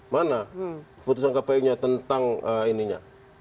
mana keputusan kpu nya tentang ininya